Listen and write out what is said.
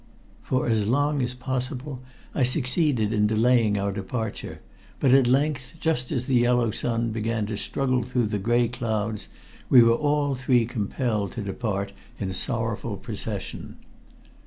For as long as possible I succeeded in delaying our departure, but at length, just as the yellow sun began to struggle through the gray clouds, we were all three compelled to depart in sorrowful procession.